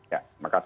ya terima kasih